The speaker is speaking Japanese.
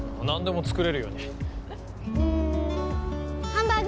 何でも作れるように。